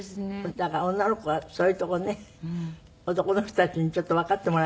だから女の子はそういうところね男の人たちにちょっとわかってもらいたいと。